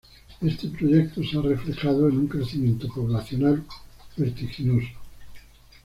Este proyecto se ha reflejado en un crecimiento poblacional vertiginoso.